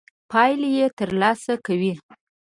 پايلې تر لاسه کوي.